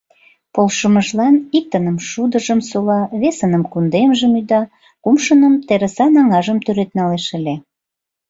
Полшымыжлан иктыным шудыжым сола, весыным кундемжым ӱда, кумшыным терысан аҥажым тӱред налеш ыле...